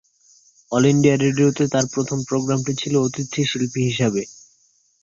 All India রেডিওতে তাঁর প্রথম প্রোগ্রামটি ছিল অতিথি শিল্পী হিসাবে।